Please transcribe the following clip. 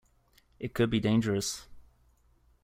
It could be dangerous.